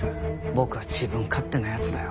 僕は自分勝手な奴だよ。